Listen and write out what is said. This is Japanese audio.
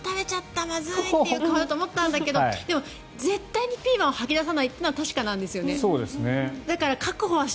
最初、食べちゃったまずい！って顔かと思ったんだけどでも絶対にピーマンを吐き出さないのは確かなんですよね。